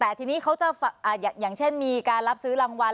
แต่ทีนี้เขาจะอย่างเช่นมีการรับซื้อรางวัล